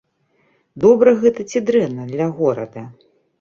Добра гэта ці дрэнна для горада?